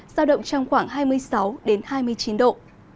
giao động trong khoảng hai mươi sáu hai mươi chín độ